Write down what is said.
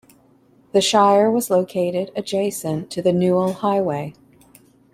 The Shire was located adjacent to the Newell Highway.